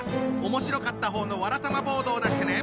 面白かった方のわらたまボードを出してね！